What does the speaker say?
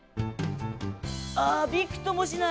ああびくともしない。